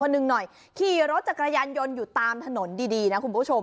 หนึ่งหน่อยขี่รถจักรยานยนต์อยู่ตามถนนดีดีนะคุณผู้ชม